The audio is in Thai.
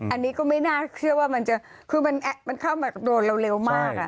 อันนี้ก็ไม่น่าเชื่อว่ามันจะคือมันเข้ามาโดนเราเร็วมาก